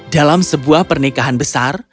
dalam sebuah pernikahan besar